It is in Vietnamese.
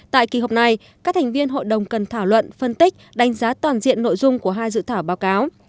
tại kỳ họp này các thành viên hội đồng cần thảo luận phân tích đánh giá toàn diện nội dung của hai dự thảo báo cáo